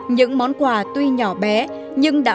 những món quà tuy nhỏ bé nhưng đã